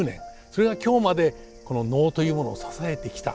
それが今日までこの能というものを支えてきた。